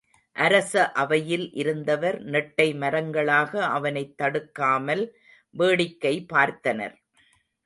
அரச அவையில் இருந்தவர் நெட்டை மரங்களாக அவனைத் தடுக்காமல் வேடிக்கை பார்த்தனர்.